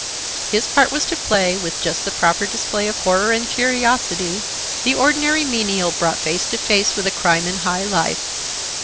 His part was to play, with just the proper display of horror and curiosity, the ordinary menial brought face to face with a crime in high life.